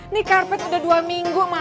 nih karpet udah dua minggu mas